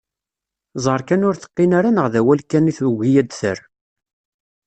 Ẓer kan ur teqqin ara neɣ d awal kan i tugi ad d-terr.